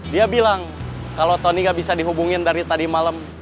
dia bilang kalau tony nggak bisa dihubungin dari tadi malam